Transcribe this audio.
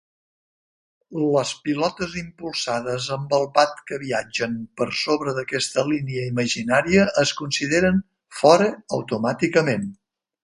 Les pilotes impulsades amb el bat que viatgen per sobre d'aquesta línia imaginària es consideren fora automàticament.